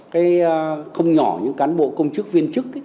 cái không nhỏ những cán bộ công chức viên chức